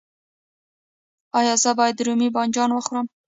ایا زه باید رومی بانجان وخورم؟